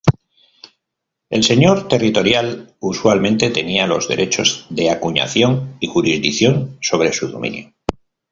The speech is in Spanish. El señor territorial usualmente tenía los derechos de acuñación y jurisdicción sobre su dominio.